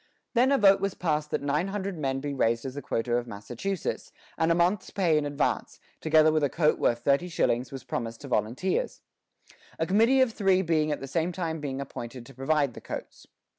Then a vote was passed that nine hundred men be raised as the quota of Massachusetts, and a month's pay in advance, together with a coat worth thirty shillings, was promised to volunteers; a committee of three being at the same time appointed to provide the coats.